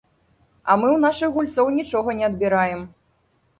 А мы ў нашых гульцоў нічога не адбіраем.